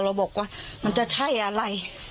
เราบอกว่ามันจะใช่อะไร